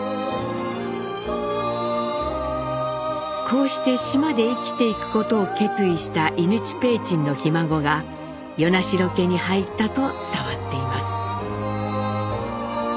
こうして島で生きていくことを決意した伊貫親雲上のひ孫が与那城家に入ったと伝わっています。